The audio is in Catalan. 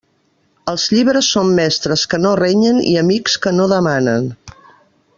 Els llibres són mestres que no renyen i amics que no demanen.